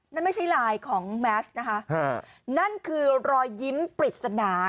นั่นไม่ใช่ลายของแมสนะคะนั่นคือรอยยิ้มปริศนา